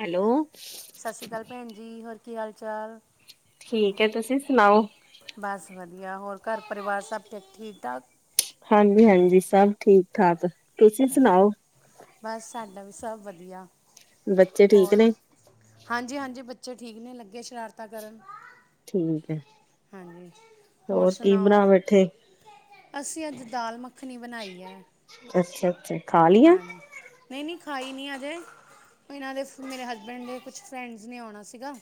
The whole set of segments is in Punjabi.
ਹੈਲੋ। ਕਾਲ ਭੈਣ ਜੀ, ਹੋਰ ਕੀ ਹਾਲ ਚਾਲ। ਠੀਕ ਹੈ ਤੁਸੀਂ ਸੁਣਾਓ ਬਸ ਵਦੀਆ, ਹੋਰ ਘਰ ਪਰਿਵਾਰ ਸਭ ਠੀਕ-ਠਾਕ? ਹਂਜੀ- ਹਂਜੀ ਸਬ ਠੀਕ-ਠਾਕ। ਚਲੋ, ਬਸ ਸਾਡਾ ਵੀ ਸਬ ਵਦੀਆ। ਬੱਚੇ ਠੀਕ ਹੋਰ ਨੇ ਹਾਂਜੀ- ਹਾਂਜੀ। ਬੱਚੇ ਠੀਕ ਨੇ ਲਗੇ ਸ਼ਰਾਰਤਾਂ ਕਰਨ। ਠੀਕ ਹੈ ਹਾਂਜੀ। ਹੋਰ ਕੀ ਸੁਨਾਓ? ਬਣਾ ਬੈਠੇ ਅਸੀ ਅੱਜ ਦਾਲ ਮੱਖਨੀ ਬਨਾਈ ਏ। ਅੱਛਾ-ਅੱਛਾ। ਪਾਣੀ। ਨਈ- ਨਈ ਖਾਈ ਨੀ ਅਜੇ, ਇਨਾਂ ਦੇ ਮੇਰੇ ਹਸਬੈਂਡ ਦੇ ਕੁਛ ਫਰੈਂਡਸ ਨੇ ਆਓਣਾ ਸੀਗਾ।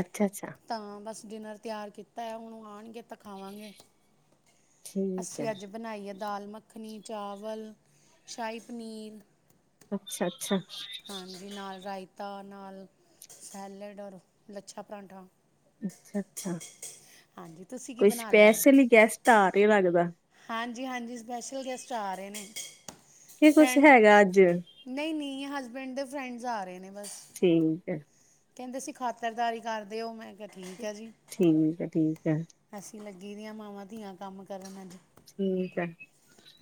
ਅੱਛਾ-ਅੱਛਾ। ਤਾਂ, ਬਸ ਡਿਨਰ ਤਿਆਰ ਕੀਤਾ ਹੈ, ਹੁਣੂੰ ੳ ਆਣਗੇ ਤੇ ਖਾਵਾਂਗੇ। ਠੀਕ ਹੈ ਅੱਸੀ ਅੱਜ ਬਨਾਈ ਹੈ। ਦਾਲ ਮੱਖਨੀ, ਚਾਵਲ, ਸ਼ਾਹੀ ਪਨੀਰ ਅੱਛਾ-ਅੱਛਾ। ਹਾਂਜੀ, ਨਾਲ ਰਾਇਤਾ ਨਾਲ ਸੈਲਡ ਔਰ ਲੱਛਾ ਪਰਾਂਠਾ। ਅੱਛਾ-ਅੱਛਾ। ਹਾਂਜੀ ਤੁਸੀਂ ਕੀ ਕੋਈ ਬਣਾ ਸਪੈਸਲ ਹੀ ਗੈਸਟ ਆਰੇ ਲੱਗਦਾ? ਹਾਂਜੀ-ਹਾਂਜੀ। ਸਪੈਸ਼ਲ ਗੈਸਟ ਆ ਰੇ ਨੇ। ਕੀ ਕੁੱਛ ਫਰੈਂਡ ਹੈਗੈ ਅੱਜ? ਨਹੀਂ, ਨਹੀਂ ਹਸਬੈਂਡ ਦੇ ਫਰੈਂਡਸ ਆ ਰੇ ਨੇ ਬਸ। ਠੀਕ ਹੈ। ਕਹਿੰਦੇ ਸੀ ਖਾਤਰਦਾਰੀ ਕਰ ਦੇਓ, ਮੈਂ ਕਿਹਾ ਠੀਕ ਹੈ ਜੀ। ਠੀਕ ਹੈ- ਠੀਕ ਹੈ। ਅਸੀ ਲੱਗੀ ਦੀਆਂ ਮਾਵਾਂ- ਧੀਆਂ ਕੰਮ ਕਰਨ ਅੱਜ। ਠੀਕ ਹੈ।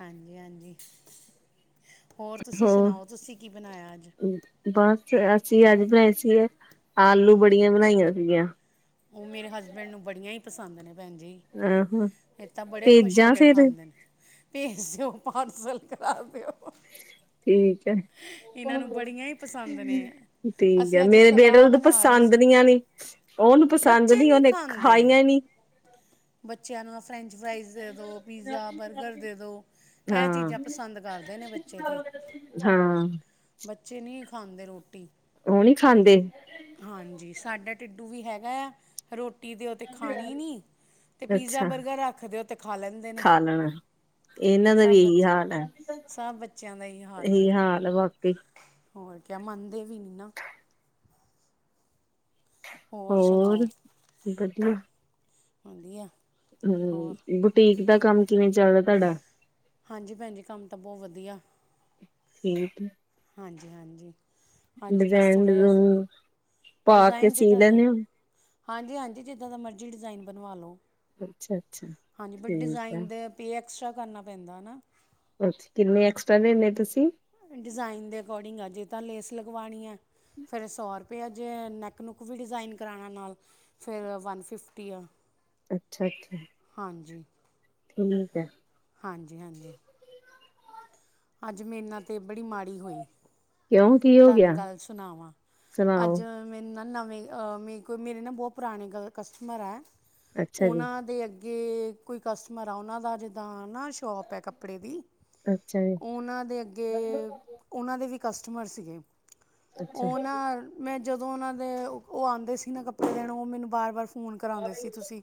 ਹਾਂਜੀ-ਹਾਂਜੀ, ਹੋਰ ਤੁਸੀ ਸੁਨਾਓ, ਤੁਸੀ ਕਿ ਬਨਾਯਾ ਅੱਜ? ਬਸ ਅਸੀਂ ਅੱਜ ਬਣਾਏ ਸੀਗੇ, ਆਲੂ -ਵੜੀਆਂ ਬਣਾਈਆਂ ਸੀਗੀਆਂ। ਓ ਮੇਰੇ ਹਸਬੈਂਡ ਨੂੰ ਬੜੀਆਂ ਹੀ ਪਸੰਦ ਨੇ ਭੈਣ ਜੀ। ਆਹੋ ਇਹ ਤਾਂ ਬੜੇ ਖੁਸ਼ ਹੋ ਭੇਜਾਂ ਕੇ ਫੇਰ ਖਾਂਦੇ ਨੇ। ਭੇਜ ਦਿਓ, ਪਾਰਸਲ ਕਰਾ ਦਿਓ। ਠੀਕ ਐ। ਇਹਨਾਂ ਨੂੰ ਬੜੀਆਂ ਹੀ ਪਸੰਦ ਨੇ ਠੀਕ ਐ, ਅਸੀਂ ਅੱਜ ਮੇਰੇ ਬੇਟੇ ਸਲਾਹ ਨੂੰ ਤਾਂ ਬਣਾ ਰਹੇ ਪਸੰਦ ਸੀ ਨੀ ਆਨੀ। ਉਹਨੂੰ ਪਸੰਦ ਬੱਚੇ ਨੀਂ। ਨਹੀਂ ਉਹਨੇ ਖਾਂਦੇ ਖਾਈਆਂ ਨੀ। ਬੱਚਿਆਂ ਨੂੰ ਫਰੈਂਚ ਫਰਾਈਜ਼ ਦੇ ਦੋ। ਪੀਜ਼ਾ, ਬਰਗਰ ਦੇ ਦੋ, ਐਹ ਹਾਂ ਚੀਜ਼ਾਂ ਪਸੰਦ ਕਰਦੇ ਨੇ ਬੱਚੇ ਤੇ। ਹਾਂ। ਬੱਚੇ ਨੀ ਖਾਂਦੇ ਰੋਟੀ। ਉਹ ਨੀ ਖਾਂਦੇ। ਹਾਂਜੀ, ਸਾਡਾ ਟਿੱਡੂ ਵੀ ਹੈਗਾ ਐ, ਰੋਟੀ ਦੇਓ ਤੇ ਖਾਣੀ ਨੀ -ਤੇ ਪੀਜ਼ਾ, ਬਰਗਰ ਰੱਖ ਦੇਓ ਤੇ ਖਾ ਲੈਂਦੇ ਨੇ। ਆਲਣੈ। ਸਭ ਬੱਚ, ਸਭ ਬੱਚਿਆਂ ਦਾ ਏਹੀ ਹਾਲ ਐ। 'ਤੇ ਹੋਰ ਕਿਆ ਮੰਨਦੇ ਵੀ ਨੀ ਨਾ। ਹੋਰ ਸੁਣਾਓ, ਵਦੀਆ। ਹਮਮ, ਬੁਟੀਕ ਦਾ ਕੰਮ ਕਿਵੇਂ ਚੱਲਦਾ ਤੁਹਾਡਾ? ਹਾਂਜੀ ਭੈਂਜੀ, ਕੰਮ ਤਾਂ ਬਹੁਤ ਵਧੀਆ। - [unintelligible] ਹਾਂਜੀ -ਹਾਂਜੀ। ਹਾਂਜੀ, ਬਸ ਡਿਜ਼ਾਇਨ ਥੋੜ੍ਹਾ ਜਿਹਾ ਫਰੀ, ਡਿਜ਼ੂਨ ਪਾ ਕੇ ਡਿਜ਼ਾਇਨ ਸੀ ਜਿੱਦਾਂ ਦਾ ਲੈਂਦੇ ਹੋ ਹਾਂਜੀ - ਹਾਂਜੀ, ਜਿੱਦਾਂ ਦਾ ਮਰਜ਼ੀ ਡਿਜ਼ਾਇਨ ਬਣਵਾ ਲਉ। ਅੱਛਾ ਅੱਛਾ ਹਾਂਜੀ, ਬਟ ਠੀਕ ਹੈ ਡਿਜ਼ਾਇਨ ਦੇ ਪੇ ਐਕਸਟਰਾ ਕਰਨਾ ਪੈਂਦਾ ਨਾ। ਅੱਛਾ, ਕਿੰਨੇ ਐਕਸਟਰਾ ਲੈਂਨੇ ਆ ਤੁਸੀਂ? ਡਿਜ਼ਾਇਨ ਦੇ ਅਕੋਰਡਿੰਗ ਆ ਜੇ ਤਾਂ ਲੇਸ ਲਗਵਾਣੀ ਐ। ਫਿਰ ਸੌ- ਤੇ ਅੱਜ ਨੈਕ -ਨੁੱਕ ਵੀ ਡਿਜ਼ਾਇਨ ਕਰਾਣਾ ਨਾਲ, ਫਿਰ ਵਨ ਫਿਫਟੀ ਆ। ਅੱਛਾ -ਅੱਛਾ। ਹਾਂਜੀ। ਠੀਕ ਐ। ਹਾਂਜੀ -ਹਾਂਜੀ। ਅੱਜ ਮੇਰੇ ਨਾਲ ਤੇ ਬੜੀ ਮਾੜੀ ਹੋਈ। ਕਿਉਂ ਕੀ ਹੋ ਤੁਹਾਨੂੰ ਗਿਆ ਗੱਲ ਸੁਣਾਵਾਂ, ਅੱਜ ਸੁਣਾਓ ਮੈਨੂੰ ਨਾ, ਨਵੇਂ ਅ ਮੇ ਕੋ ਮੇਰੇ ਨਾ ਬਹੁਤ ਪੁਰਾਣੇ ਕ ਕਸਟਮਰ ਹੈ। ਅੱਛਾ ਜੀ ਉਹਨਾਂ ਦੇ ਅੱਗੇ ਯੇ ਕੋਈ ਕਸਟਮਰ ਆ। ਉਨ੍ਹਾ ਦਾ ਜਿੱਦਾਂ ਨਾ ਸ਼ੋਪ ਹੈ ਕੱਪੜੇ ਦੀ। ਅੱਛਾ ਜੀ ਉਹਨਾਂ ਦੇ ਅੱਗੇ, ਉਹਨਾਂ ਦੇ ਵੀ ਕਸਟਮਰ ਸੀਗੇ। ਅੱਛਾ ਔਹ ਨਾ, ਮੈਂ ਜਦੋਂ ਉਹਨਾਂ ਦੇ ਔਹ ਆਂਦੇ ਸੀ ਨਾ ਕੱਪੜੇ ਲੈਣ, ਔਹ ਮੈਨੂੰ ਬਾਰ- ਬਾਰ ਹੁਨ ਕਰਾਂਗੇ ਤੁਸੀਂ,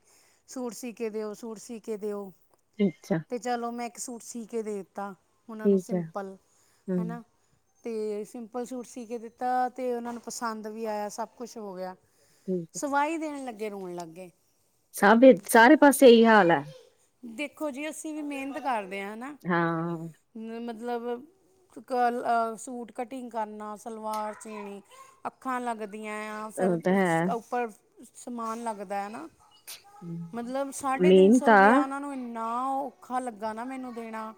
ਸੂਟ ਸੀ ਕੇ ਦੇਓ, ਸੂਟ ਸੀ ਕੇ ਦੇਓ। ਅੱਛਾ। ਤੇ ਚਲੋ, ਮੈਂ ਇੱਕ ਸੂਟ ਸੀ ਕੇ ਦੇ ਦੇਤਾ ਓਨਾ ਨੂੰ ਠੀਕ ਹੈ ਸੀਪਲ, ਹਮ ਹੈਨਾ ਤੇ ਸਿੰਪਲ ਸੂਟ ਸੀ ਕੇ ਦੀਤਾ, ਤੇ ਓਨਾਂ ਨੂੰ ਪਸੰਦ ਵੀ ਆਏਆ ਸਭ ਕੁਛ ਹੋ ਗੇਆ। ਠੀਕ ਹੈ ਸਵਾਈ ਦੇਣ ਲੱਗੇ ਰੋਣ ਲੱਗ ਗੇ। ਸਭ ਏ ਸਾਰੇ ਪਾਸੇ ਏਈ ਹਾਲ ਐ। ਦੇਖੋ ਜੀ ਅਸੀਂ ਵੀ ਮੇਨਤ ਕਰਦੇ ਆ ਹਨਾ। ਹਾਂ। ਨੀ ਮਤਲਵ ਕਲ ਅ ਸੂਟ ਕਟੀਗ ਕਰਨਾ ਸਲਵਾਰ ਸੀਣੀ, ਅੱਖਾਂ ਲੱਗਦੀ ਐ ਆ ਉਹ ਸਰ ਤਾਂ ਸ ਹੈ ਅ ਉੱਪਰ ਸਮਾਨ ਲੱਗਦੈ ਨਾ। ਮਤਲਵ ਸਾਢੇ ਤੇਨ ਮੇਨ ਸੌ ਤਾਂ ਰੁਪਇਆ ਓਨਾ ਨੂੰ ਆ ਔਖਾ ਲੱਗਾ ਨਾ, ਮੈਨੂੰ ਦੇਣਾ।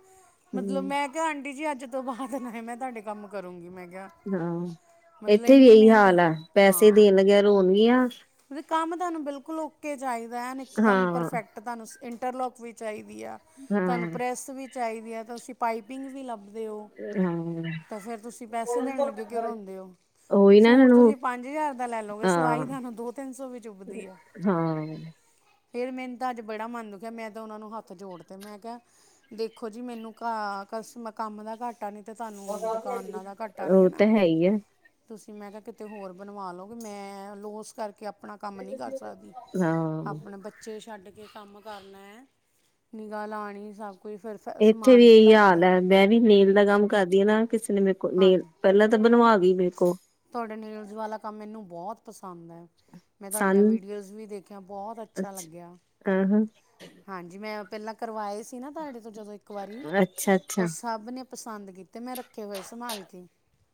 ਮਤਲਵ ਹਮ ਮੈਂ ਕੇਆ ਆਂਟੀ ਜੀ ਅੱਜ ਤੋਂ ਬਾਦ ਮੈਂ ਨਾ ਤਧਾਡੇ ਕੰਮ ਕਰੂੰਗੀ ਮੈਂ ਕੇਆ। ਹਾਂ ਏਤੇ ਵੀ ਏਈ ਹਾਲ ਆ ਪੈਸੇ ਦੇਣ ਲੱਗੇਆ ਰੋਣਗੀਆਂ ਵੀ ਕੰਮ ਧਾਨੂੰ ਬੇਲਕੁਲ ਓਕੇ ਚਾਈਦਾ ਐ ਏਕਦਮ ਹਾਂ ਪਰਫੈ ਧਾਨੂੰ ਈਟਰਲੋਕ ਵੀ ਚਾਈਦੀ ਆ ਧਾਨੂੰ ਹਾਂ ਪ੍ਰੈੱਸ ਵੀ ਚਾਈਦੀ ਆ ਤਾਂ ਧਾਸੀਂ ਪਾਈਪਿੰਗ ਵੀ ਲਾ ਤੇ ਓ ਹਾਂ ਤਾਂ ਫੇਰ ਤੁਸੀਂ ਪੈਸੇ ਦੇਣ ਲੱਗੇ ਕੇਉ ਰੋਂਦੇ ਓ। ਉਹੀ ਨਾ ਇਹਨਾਂ ਸੂਟ ਨੂੰ ਤੁਸੀਂ ਪੰਜ ਹਜ਼ਾਰ ਦਾ ਲੈ ਲੋਂਗੇ ਸਵਾਈ ਹਾਂ ਤਹਾਨੂੰ ਦੋ-ਤੇਨ ਸੌ ਵਿੱਚ ਚੁਬਦੀ ਆ। ਹਾਂ। ਫੇਰ ਮੈਂ ਤਾਂ ਅੱਜ ਬੜਾ ਮਨ ਦੁਖੇਆ ਮੈਂ ਤਾਂ ਓਨਾਂ ਨੂੰ ਹੱਥ ਜੋੜ ਤੇ ਮੈਂ ਕੇਆ ਦੇਖੋ ਜੀ ਮੇਨੂੰ ਕਾ ਕਸਮ ਕੰਮ ਦਾ ਘਾਟਾ ਨੀ ਤੇ ਧਾਨੂੰ ਦੁਕਾਨਾਂ ਦਾ ਘਾਟਾ ਨੀ ਐ ਉਹ ਨਾ। ਤਾਂ ਹੈ ਹੀ ਆ ਤੁਸੀਂ ਮੈਂ ਕੇਆ ਕੀਤੇ ਹੋਰ ਬਣਵਾ ਲੋਗੇ ਮੈਂ ਲੋਸ ਕਰ ਕੇ ਅਪਣਾ ਕੰਮ ਨੀ ਕਰ ਸਕਦੀ, ਹਾਂ ਅਪਣੇ ਬੱਚੇ ਛੱਡ ਕੇ ਕੰਮ ਕਰਨਾ ਐ, ਨੀਗਾ ਲਾਣੀ ਸਭ ਕੁਛ ਫੇਰ ਏਥੇ ਵੀ ਏਈ ਹਾਲ ਏ ਮੈਂ ਵੀ ਨੇਲ ਦਾ ਕੰਮ ਕਰਦੀ ਆ ਨਾ ਕੀਸੇ ਨੇ ਮੇਰੇ ਕੋ ਨੇਲ ਪੈਲਾਂ ਤਾਂ ਬਣਵਾ ਗੀ ਤੁਹਾਡਾ ਨੇਲਜ ਵਾਲਾ ਕੰਮ ਮੇਨੂੰ ਬੌਤ ਪਸੰਦ ਐ। ਮੈਂ ਧਾਡੀਆਂ ਪਸੰਦ ਵੀਡੀਓਜ਼ ਵੀ ਦੇਖੀਆਂ ਬਹੌਤ ਅੱਛਾ ਲੱਗੇਆ। ਆ ਹਾਂ। ਹਾਂਜੀ ਮੈਂ ਪੈਲਾਂ ਕਰਵਾਏ ਸੀ ਨਾ, ਧਾਡੇ ਤੋਂ ਜਦੋਂ ਏਕ ਵਾਰੀ, ਅੱਛਾ ਅੱਛਾ ਓਸ ਸਭ ਨੇ ਪਸੰਦ ਕੀਤੇ ਮੈ ਰਾ [inaudible] ਸੰਮਾਲ ਕੇ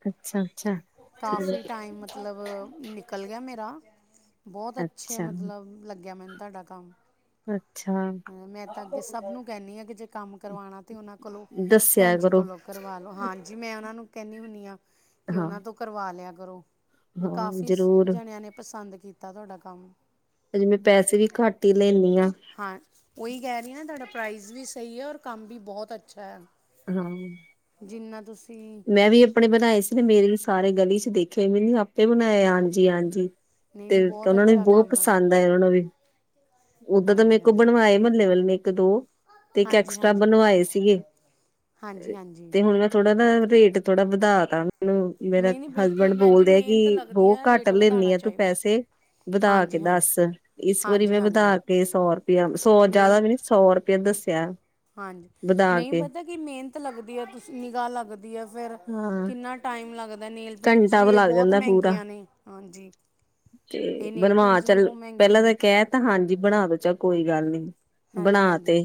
ਅੱਛਾ ਅੱਛਾ ਕਾਫੀ ਠੀਕ ਟਾਈਮ ਮ ਮਤਲਵ ਨੀਕਲ ਗੇਆ ਮੇਰਾ ਬੌਤ ਅੱਛੇ ਅੱਛਾ ਮਤਲਵ ਲਗੇਆ ਮੇਨੂੰ ਤੁਹਾਡਾ ਕੰਮ। ਅੱਛਾ। ਮੈਂ ਤਾਂ ਅੱਗੇ ਸਭ ਨੂੰ ਕੈਂਦੀ ਆਂ ਕੇ ਜੇ ਕੰਮ ਕਰਵਾਣਾ ਤੇ ਓਨਾਂ ਕੋਲੋਂ ਦੱਸੇਆ ਭੈਣ ਜੀ ਕਰੋ। ਕੋਲੋਂ ਕਰਵਾ ਲੋ ਹਾਂਜੀ ਮੈਂ ਓਨਾਂ ਨੂੰ ਕੈਂਨੀ ਹੁੰਦੀ ਆ ਕੇ ਹਾਂ ਓਨਾਂ ਤੋਂ ਕਰਵਾ ਲਿਆ ਕਰੋ। ਹਾਂ ਕਾਫੀਸ ਜ਼ਰੂਰ ਜਣੇਆਂ ਨੇ ਪਸੰਦ ਕੀਤਾ, ਧੁਡਾ ਕੰਮ। ਅਜੇ ਮੈ ਪੈਸੇ ਵੀ ਘੱਟ ਹੀ ਲੈਂਨੀ ਆ। ਹਾਂ ਓਈ ਕੈ ਰਈ ਆ ਨਾ, ਧਾਡਾ ਪ੍ਰਾਈਜ਼ ਵੀ ਸਈ ਐ ਔਰ ਕੰਮ ਵੀ ਬਹੁਤ ਅੱਛਾ ਐ। ਹਾਂ। ਜੀਨਾ ਤੁਸੀਂ ਮੈਂ ਵੀ ਆਪਣੇ ਬਣਾਏ ਸੀ ਮੇਰੇ ਸਾਰੇ ਗਲੀ ਚ ਦੇਖੇ ਮੈਨੀ ਆਪੇ ਬਣਾਏ ਹਾਂਜੀ-ਹਾਂਜੀ। ਨਹੀਂ ਨਹੀਂ ਤੇ ਬਹੁਤ ਓਨਾਂ ਨੂੰ ਵੀ ਅੱਛਾ ਬੌ ਕੰਮ ਹੈ ਤੁਹਾਡਾ ਪਸੰਦ ਆਏ ਓਨਾਂ ਨੂੰ ਵੀ। ਉਦਾਂ ਤਾਂ, ਮੇਰੇ ਹਾਂਜੀ ਹਾਂਜੀ ਕੋਲ ਬਣਵਾਏ ਮਹੱਲੇ ਵਾਲੇ ਨੇ ਇੱਕ ਦੋ ਤੇ ਇੱਕ ਹਾਂਜੀ ਐਕਸਟਰਾ ਹਾਂਜੀ ਬਣਵਾਏ ਸੀਗੇ। ਹਾਂਜੀ, ਹਾਂਜੀ ਤੇ ਹੁਣ ਮੈਂ ਥੋੜਾ ਨਾ ਰੇਟ ਥੋੜਾ ਵਧਾ ਲੈ ਲਓ, ਮੇਰੇ ਨਹੀਂ ਨਹੀਂ ਹਸਬੈਂਡ ਬਿਲਕੁਲ ਭੈਣ ਜੀ ਬੋਲਦੇ ਆ। ਮਿਹਨਤ ਕਿ ਲੱਗਦੀ ਬਹੁਤ ਹੈ ਘੱਟ ਰੇਟ ਲੈਂਦੀ ਵਧਾਉਣਾ ਆ ਤੂੰ ਚਾਹੀਦਾ ਪੈਸੇ ਵਧਾ ਕੇ ਹਾਂਜੀ ਹਾਂਜੀ ਦੱਸ ਇਸ ਵਾਰੀ ਹਾਂਜੀ ਮੈਂ ਹਾਂਜੀ ਵਧਾ ਕੇ ਸੌ ਰੁਪਇਆ ਸੌ ਨਹੀਂ ਜਿਆਦਾ ਵੀ ਨੀ ਸੌ। ਫਿਰ ਦੱਸਿਆ। ਹਾਂਜੀ ਵਧਾ ਨਹੀ ਕੇ ਪਤਾ ਕੀ ਮੇਹਨਤ ਲੱਗਦੀ ਹੈ ਤੁਸੀ ਨਿਗਾਹ ਲੱਗਦੀ ਹੈ ਫੇਰ। ਹਾਂ। ਲੱਗਦਾ ਨੇਲ ਪੇਂਟਸ ਘੰਟਾ ਕੁ ਵੀ ਇਹ ਲੱਗ ਬਹੁਤ ਜਾਂਦਾ ਪੂਰਾ ਮਹਿੰਗੀਆਂ ਨੇ ਹਾਂਜੀ। ਤੇ ਇਹ ਨੇਲ ਬਣਵਾ ਪੇਂਟਸ ਵੀ ਚੱਲ ਬਹੁਤ ਮਹਿੰਗੀਆਂ ਪਹਿਲਾਂ ਤਾਂ ਨੇ ਕਹਿਤਾ ਹਾਂਜੀ। ਜੀ ਬਣਾ ਦੋ 'ਚ ਕੋਈ ਗੱਲ ਨੀ ਹਾਂਜੀ ਬਣਾ ਤੇ ਹਾਂਜੀ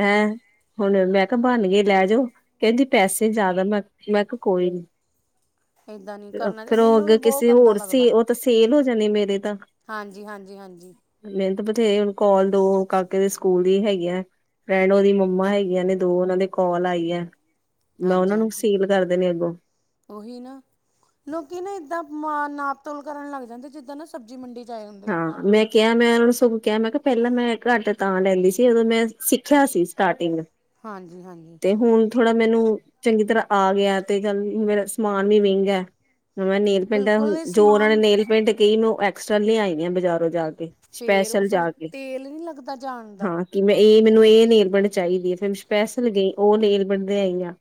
ਹੈਂ। ਹੁਣ ਮੈਂ ਕਿਹਾ ਬਣ ਗਏ ਲੈ ਜਾਓ ਕਹਿੰਦੀ ਪੈਸੇ ਜ਼ਿਆਦਾ ਮੈਂ ਮੈਂ ਕਿਹਾ ਕੋਈ ਨੀ। ਇੱਦਾਂ ਨਹੀਂ ਕਰਨਾ ਅਥਰੋੰ ਉਹ ਮੈਨੂੰ ਵੀ ਅੱਗੇ ਬਹੁਤ ਕਿਸੇ ਗੰਦਾ ਹੋਰ ਸੇ ਲੱਗਦਾ ਉਹ ਤਾਂ ਸੇਲ ਹੋ ਜਾਣੇ ਮੇਰੇ ਤਾਂ। ਹਾਂਜੀ ਹਾਂਜੀ ਹਾਂਜੀ ਮਿਹਨਤ ਬਥੇਰੇ ਕੋਲ ਦੋ ਕਾਕੇ ਦੇ ਸਕੂਲ ਦੀ ਹੈਗੀਆ। ਰਹਿਣ ਉਹਦੀ ਮੰਮਾ ਹੈਗੀਆਂ ਨੇ ਦੋ ਉਹਨਾਂ ਦੇ ਕੋਲ ਆਈ ਐ। ਮੈਂ ਹਾਂਜੀ ਉਹਨਾਂ ਨੂੰ ਹਾਂਜੀ ਸੇਲ ਕਰ ਦੇਨੇ ਅੱਗੋਂ। ਉਹੀ ਨਾ ਲੋਕੀ ਨਾ ਏਦਾਂ ਮ ਨਾਪਤੋਲ ਕਰਨ ਲੱਗ ਜਾਂਦੇ ਜਿੱਦਾਂ ਨਾ। ਸਬਜ਼ੀ ਮੰਡੀ 'ਚ ਆਏ ਹੁੰਦੇ ਆ। ਹਾਂ ਮੈਂ ਕਿਹਾ ਮੈਂ ਉਹਨਾਂ ਨੂੰ ਸਗੋਂ ਕਿਹਾ ਮੈਂ ਪਹਿਲਾਂ ਮੈਂ ਘੱਟ ਤਾਂ ਲੈਂਦੀ ਸੀ ਉਦੋਂ ਮੈਂ ਸਿੱਖਿਆ ਸੀ ਸਟਾਰਟਿੰਗ ਹਾਂਜੀ ਹਾਂਜੀ ਤੇ ਹੁਣ ਥੋੜਾ ਮੈਨੂੰ ਚੰਗੀ ਤਰ੍ਹਾਂ ਆ ਗਿਆ ਤੇ ਚਲ ਮੇਰਾ ਸਮਾਨ ਵੀ ਮਹਿੰਗਾ ਮੈਂ ਨੇਲ ਪਿੰਟਾਂ ਬਿਲਕੁਲ ਇਹ ਜੋ ਉਹਨਾਂ ਸਮਾਨ ਨੇਲ ਪੇਂਟ ਕਹੀ ਮ ਐਕਸਟਰਾਂ ਲਿਆਈ ਬਜ਼ਾਰੋਂ ਜਾ ਕੇ ਤੇ ਫੇਰ ਸਪੈਸ਼ਲ ਫਿਰ ਜਾ ਕੇ ਤੇਲ ਨਹੀਂ ਲੱਗਦਾ ਜਾਣ ਦਾ ਹਾਂ ਕਿ ਮੈਂ ਇਹ ਮੈਨੂੰ ਇਹ ਲੇਬਣਡ ਚਾਹੀਦੀ ਹੈ ਫਿਰ ਸਪੈਸਲ ਗਈ ਉਹ ਲੇਬਣਦੇ ਲਿਆਈ ਆ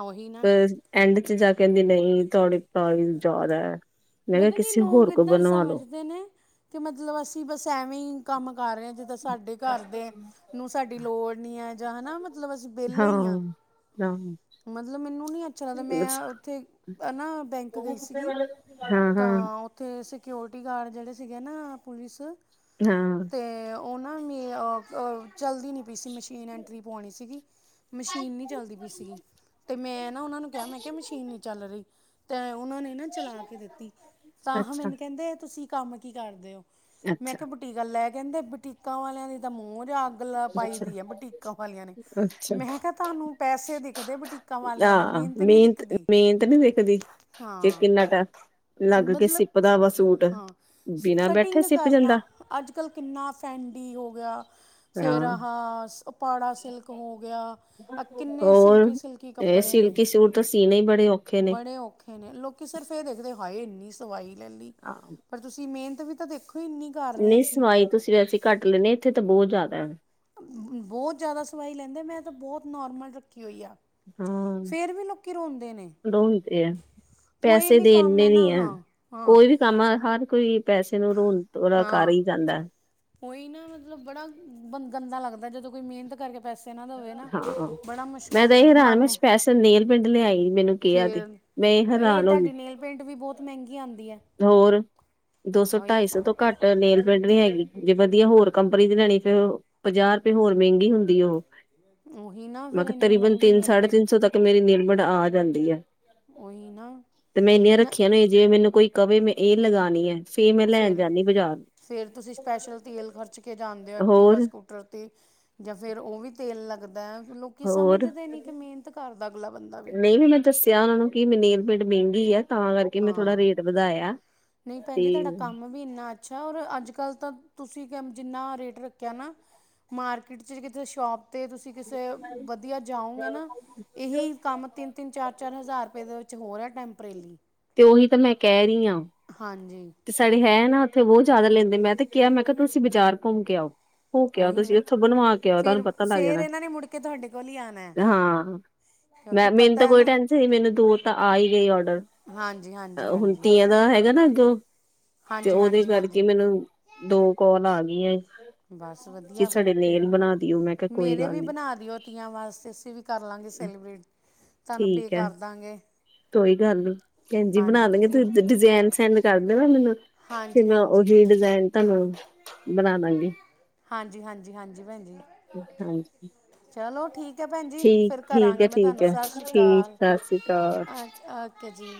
ਉਹੀ ਨਾ ਪਰ ਐਂਡ 'ਚ ਜਾ ਕਹਿੰਦੀ ਨਹੀਂ ਤੁਹਾਡੇ ਪਰਾਇਜ ਜ਼ਿਆਦਾ ਹੈ ਮੈਂ ਕਿਹਾ ਪਤਾ ਨੀ ਕਿਸੇ ਹੋਰ ਲੋਗ ਕੋ ਏਦਾਂ ਬਣਵਾ ਲੋ ਸਮਝਦੇ ਨੇ ਕਿ ਮਤਲਬ ਅਸੀਂ ਬਸ ਐਵੇਂ ਹੀ ਕੰਮ ਕਰ ਰਹੇ ਜਿੱਦਾਂ ਸਾਡੇ ਘਰ ਦੇ ਨੂੰ ਸਾਡੀ ਲੋੜ ਨੀ ਹੈ ਜਾਂ ਹਨਾ ਮਤਲਬ ਅਸੀਂ ਵਿਹਲੇ ਹਾਂ ਨਾ ਮਤਲਬ ਮੈਨੂੰ ਨੀ ਅੱਛਾ ਲੱਗਦਾ ਮੈਂ ਉੱਥੇ ਨਾ ਬੈਂਕ ਗਈ ਸੀਗੀ ਹਾਂ ਹਾਂ ਤਾਂ ਉੱਥੇ ਸਕਿਓਰਟੀ ਗਾਰਡ ਜਿਹੜੇ ਸੀਗੇ ਨਾ ਪੁਲਿਸ ਹਾਂ ਤੇ ਉਹ ਨਾ ਮੇ ਅ ਚੱਲਦੀ ਨਹੀਂ ਪਈ ਸੀ ਮਸ਼ੀਨ ਐਂਟਰੀ ਪਾਉਣੀ ਸੀਗੀ ਮਸ਼ੀਨ ਨੀ ਚੱਲਦੀ ਪਈ ਸੀਗੀ ਤੇ ਮੈਂ ਨਾ ਉਹਨਾਂ ਨੂੰ ਕਿਹਾ ਮੈਂ ਮਸ਼ੀਨ ਨੀ ਚੱਲ ਰਹੀ ਤੇਂ ਉਹਨਾਂ ਨੇ ਨਾ ਚਲਾ ਕੇ ਦਿੱਤੀ ਤਾਂ ਅੱਛਾ ਮੈਨੂੰ ਕਹਿੰਦੇ ਤੁਸੀਂ ਕੰਮ ਕੀ ਕਰਦੇ ਹੋ ਮੈਂ ਅੱਛਾ ਕਿਹਾ ਬੁਟੀਕਾ ਲੈ ਕਹਿੰਦੇ ਬਟੀਕਾਂ ਵਾਲਿਆਂ ਦੀ ਤਾਂ ਮੂੰਜ ਆ ਗਲਾ ਪਾਈ ਅੱਛਾ ਦੀਆ ਬਟੀਕਾਂ ਵਾਲਿਆਂ ਨੇ ਅੱਛਾ ਮੈਂ ਕਿਹਾ ਤੁਹਾਨੂੰ ਪੈਸੇ ਦੇ ਕਦੇ ਬੁਟੀਕਾਂ ਵਾਲਿਆਂ ਦੇ ਮਿਹਨਤ ਨੀ ਦਿਖਦੀ ਹਾਂ ਏਹਦਾ ਮਤਲਬ ਹਾਂ ਬਿਨਾਂ ਕਟਿੰਗ ਬੈਠੇ ਸਿੱਪ ਜਾਂਦਾ ਕਰਨਾ ਅੱਜ ਕੱਲ ਕਿੰਨਾ ਫੈਂਡੀ ਹੋ ਗਿਆ ਫੇਰ ਹਾਂ ਆਹਸ ਪਾੜਾ ਸਿਲਕ ਹੋ ਗਿਆ, ਆ ਕਿੰਨੇ ਹੋਰ ਸਿਲਕੀ- ਸਿਲਕੀ ਇਹ ਕੱਪੜੇ ਨੇ। ਸਿਲਕੀ ਸੂਟ ਤਾਂ ਸੀਣੇ ਹੀ ਬੜੇ ਔਖੇ ਨੇ ਬੜੇ ਔਖੇ ਨੇ, ਲੋਕੀ ਸਿਰਫ਼ ਇਹ ਦੇਖਦੇ ਹਾਏ ਇੰਨੀ ਸਵਾਈ ਲੈ ਲਈ। ਆਹ। ਪਰ ਤੁਸੀਂ ਮਿਹਨਤ ਵੀ ਤਾਂ ਦੇਖੋ ਇੰਨੀ। ਕਰ ਰਹੇ ਨਹੀਂ ਅਸੀਂ ਸਵਾਈ ਤੁਸੀਂ ਵੈਸੇ ਘੱਟ ਲੈਂਦੇ ਇੱਥੇ ਤਾਂ ਬਹੁਤ ਜ਼ਿਆਦਾ ਹੈ। ਬਹੁਤ ਜ਼ਿਆਦਾ ਸਵਾਈ ਲੈਂਦੇ, ਮੈਂ ਤਾਂ ਬਹੁਤ ਨੋਰਮਲ ਰੱਖੀ ਹੋਈ ਆ। ਹੂੰ, ਫਿਰ ਵੀ ਲੋਕੀ ਰੋਂਦੇ ਨੇ ਦੋ ਲਿਤੇ ਹੈ। ਕੋਈ ਪੈਸੇ ਵੀ ਕੰਮ ਦੇਨੇ ਹੈ ਨੀ ਨਾ ਐ, ਹਾਂ ਹਾਂ ਕੋਈ ਵੀ। ਤੁਹਾਨੂੰ ਹਰ ਕੋਈ ਪੈਸੇ ਨੂੰ ਰੋਣ ਥੋੜਾ ਕਰ ਹਾਂ ਹੀ ਜਾਂਦਾ। ਉਹੀ ਨਾ ਮਤਲਬ ਬੜਾ ਗੰਦਾ ਲੱਗਦਾ, ਜਦੋਂ ਕੋਈ ਮਿਹਨਤ ਕਰਕੇ ਪੈਸੇ ਨਾ ਦੇਵੇ ਨਾ ਹਾਂ, ਬੜਾ ਮੁਸ਼ਕ ਮੈਂ ਤਾਂ ਇਹ ਮਨ ਹੈਰਾਨ ਵੀ ਨੂੰ ਸਪੈਸ਼ਲ ਨੇਲ ਪੇੰਡ ਲਿਆਈ ਮੈਨੂੰ ਕਿਹਾ ਤੇ। ਮੈਂ ਹੈਰਾਨ ਹੋ ਗਈ। ਪਿੰਟ ਵੀ ਬਹੁਤ ਮਹਿੰਗੀ ਆਉਂਦੀ ਹੈ। ਹੋਰ ਦੋ ਸੌ, ਇਹ ਢਾਈ ਸੌ ਤੋਂ- ਘੱਟ ਨੇਲ ਪਿੰਟ ਨਹੀਂ ਹੈਗੀ, ਜੇ ਵਧੀਆ ਹੋਰ ਕੰਪਨੀ ਦੀ ਲੈਣੀ ਫੇਰ ਔ- ਪੰਜਾਹ ਰੁਪਏ ਹੋਰ ਮਹਿੰਗੀ ਹੁੰਦੀ ਆ ਉਹ, ਉਹੀ ਨਾ ਮੈਂ ਫਿਰ ਕਿਹਾ ਇੰਨੀ ਤਰੀਬਨ ਮਹਿੰਗੀ ਤਿੰਨ, ਨੇਲ ਸਾਢੇ ਪੇਂਟ ਤਿੰਨ ਸੌ ਤੱਕ- ਮੇਰੀ ਨਿਲਮੜ ਆ ਜਾਂਦੀ ਆ, ਉਹੀ ਨਾ ਤੇ ਮੈਂ ਇੰਨੀਆਂ ਨਾ ਰੱਖੀਆਂ ਨੇ ਜੇ ਮੈਨੂੰ ਕੋਈ ਕਵੇ ਮੈਂ ਇਹ ਲਗਾਣੀ ਹੈ। ਮੈਂ ਲੈਣ ਫੇਰ- ਜਾਂਦੀ ਬਾਜ਼ਾਰ ਫੇਰ ਤੁਸੀਂ ਸਪੈਸ਼ਲ ਤੇਲ ਖਰਚ ਕੇ ਜਾਂਣਦੇ ਹੋ ਐਕਟੀਵਾ ਹੋਰ ਸਕੂਟਰ 'ਤੇ। ਜਾਂ ਫੇਰ ਉਹ ਵੀ ਤੇਲ ਲੱਗਦਾ, ਫ ਲੋਕੀ ਹੋਰ ਸਮਝਦੇ ਨਹੀਂ ਕਿ ਮਿਹਨਤ ਕਰਦਾ ਅਗਲਾ ਬੰਦਾ ਵੀ। ਨਹੀਂ ਮੈਂ ਦੱਸਿਆ ਉਹਨਾਂ ਨੂੰ ਕੀ ਨੇਲਮੈਂਟ ਮਹਿੰਗੀ ਹਾ। ਤਾਂ ਕਰਕੇ ਮੈਂ ਥੋੜਾ ਹਾਂ ਰੇਟ ਵਧਾਇਆ, ਨਹੀਂ ਭੈਣ ਤੇ। ਜੀ ਤੁਹਾਡਾ ਕੰਮ ਵੀ ਇੰਨਾ ਅੱਛਾ, ਔਰ ਅੱਜ ਕੱਲ ਤਾਂ ਤੁਸੀਂ ਜਿੰਨਾ ਰੇਟ ਰੱਖਿਆ ਨਾ- ਮਾਰਕੀਟ ਚ ਕਿ ਸ਼ੋਪ ਤੇ ਤੁਸੀਂ ਕਿਸੇ ਵਧੀਆ ਜਾਓਗੇ ਨਾ ਇਹੀ ਕੰਮ ਤਿੰਨ- ਤਿੰਨ ਚਾਰ- ਚਾਰ ਹਜ਼ਾਰ ਰੁਪਏ ਦੇ ਵਿੱਚ ਹੋਰ ਹੈ ਟੈਂਪਰੇਲੀ। ਤੇ ਉਹੀ ਤਾਂ ਮੈਂ ਕਹਿ ਰਹੀ ਹਾਂ। ਹਾਂਜੀ। ਤੇ ਸਾਡੇ ਹੈ ਨਾ ਉੱਥੇ ਬਹੁਤ ਜ਼ਿਆਦਾ ਲੈਂਦੇ, ਮੈਂ ਤੇ ਕਿਹਾ ਮੈਂ ਕਿਹਾ ਤੁਸੀਂ ਬਾਜ਼ਾਰ ਘੁੰਮ ਕੇ ਆਓ। ਹੋ ਕੇ ਆਓ ਉਹੀ ਤੁਸੀਂ ਨਾ ਇੱਥੋਂ ਬਣਵਾ ਕੇ ਆਓ ਤੁਹਾਨੂੰ ਫਿਰ ਪਤਾ ਲੱਗ ਫਿਰ ਜਾਣਾ, ਇਹਨਾਂ ਨੇ ਮੁੜ ਕੇ ਤੁਹਾਡੇ ਕੋਲ ਹੀ ਆਉਣਾ ਹੈ ਹਾਂ। ਕਿਉਂਕਿ ਮੈਂ ਮੈਨੂੰ ਤਾਂ ਪਤਾ ਹੈ ਕੋਈ ਨਾ ਟੈਨਸ਼ਨ ਸੀ, ਮੈਨੂੰ ਦੋ ਤਾਂ ਆਈ ਗਈ ਆਰਡਰ। ਹਾਂਜੀ ਹਾਂਜੀ ਹੁਣ ਹਾਂਜੀ ਤੀਆਂ ਦਾ ਹੈਗਾ ਨਾ, ਅੱਗੋਂ। ਤੇ ਹਾਂਜੀ ਉਹਦੇ ਹਾਂਜੀ ਕਰਕੇ ਹਾਂਜੀ ਮੈਨੂੰ ਦੋ ਕਾਲ ਆ ਗਈਆਂ। ਬਸ ਕੀ ਵਧੀਆ ਫਿਰ ਸਾਡੇ ਤਾਂ ਨੇਲ ਬਣਾ ਦੇ। ਮੇਰੇ ਵੀ ਬਣਾ ਦਿਓ ਤੀਆਂ ਵਾਸਤੇ, ਅਸੀਂ ਵੀ ਕਰ ਲਵਾਂਗੇ ਸੈਲੀਬ੍ਰੇਟ। ਤੁਹਾਨੂੰ ਪੇ ਠੀਕ ਹੈ ਕਰਦਾਂਗੇ। ਕੋਈ ਗੱਲ ਨੀ ਭੈਣਜੀ ਬਣਾ ਲਾਂਗੇ ਵਧੀਆ ਤੁਸੀਂ ਡਿਜਾਇਨ ਸੈਂਡ ਕਰ ਦੇਨਾ ਮੈਨੂੰ। ਫੇਰ ਹਾਂਜੀ ਮੈਂ ਹਾਂਜੀ ਉਹੀ ਡਿਜ਼ਾਇਨ ਤੁਹਾਨੂੰ ਬਣਾ ਦਾਂਗੀ। ਹਾਂਜੀ- ਹਾਂਜੀ ਹਾਂਜੀ ਭੈਣਜੀ, ਹਾਂਜੀ ਚਲੋ ਠੀਕ। ਠੀਕ ਹੈ ਭੈਣਜੀ, ਫੇਰ ਠੀਕ ਠੀਕ ਹੈ ਕਰਾਂਗੇ ਮੈਂ ਠੀਕ ਤੁਹਾਨੂੰ ਹੈ ਸਤਿ ਸ਼੍ਰੀ ਠੀਕ ਅਕਾਲ, ਸਤਿ ਸ੍ਰੀ ਅਕਾਲ ਓਕੇ ਜੀ।